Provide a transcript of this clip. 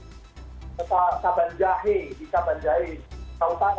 bahkan saja kemarin di saban jahe di saban jahe di tau tara